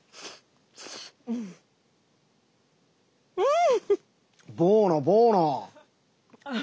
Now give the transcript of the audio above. うん！